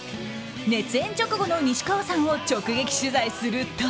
熱演直後の西川さんを直撃取材すると。